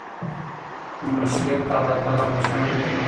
مشرک ته الله تعالی بخښنه نه کوي